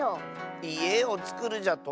いえをつくるじゃと？